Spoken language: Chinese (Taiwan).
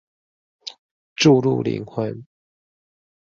注入靈魂